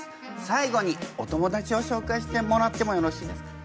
最後にお友達をしょうかいしてもらってもよろしいですか？